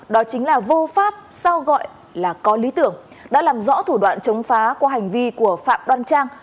đó chính là vô pháp sau gọi là có lý tưởng đã làm rõ thủ đoạn chống phá qua hành vi của phạm đoan trang